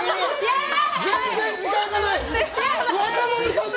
全然時間がない！